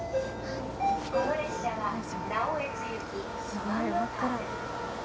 すごい真っ暗。